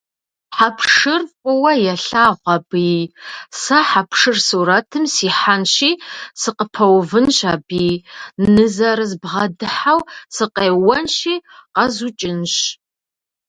Хьэпшыр фӏыуэ елъагъу абыи, сэ хьэпшыр сурэтым сихьэнщи, сыкъыпэувынщ аби, нызэрызбгъэдыхьэу сыкъеуэнщи къэзукӏынщ!